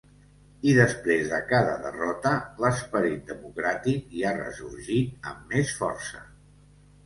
I després de cada derrota l’esperit democràtic hi ha ressorgit amb més força.